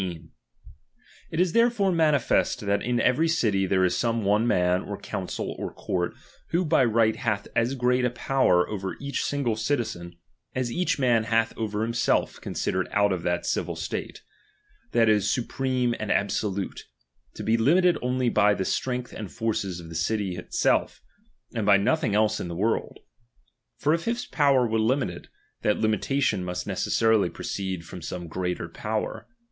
»of in i3_ It; is therefore manifest, that in every city there is some one man, or council, or court, who by right hath as great a power over each single citizen, as each man hath over himself considered out of that civil state ; that is, supreme and abso lute, to be limited only by the strength and forces of the city itself, and by nothing else in the world. For if his power were limited, that limitation must necessarily proceed from some greater power.